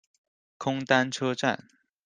空丹车站。